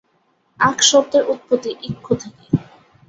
আখ শব্দের উৎপত্তি "ইক্ষু" থেকে।